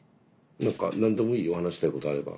何か何でもいいよ話したいことあれば。